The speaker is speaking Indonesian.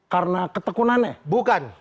karena ketekunannya bukan